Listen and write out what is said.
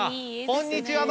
こんにちは。